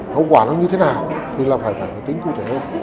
hậu quả nó như thế nào thì là phải tính cụ thể hơn